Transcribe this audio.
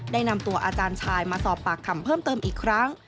ได้นำตัวอาจารย์ชายมาสอบปากคำเพิ่มเติมอีกครั้ง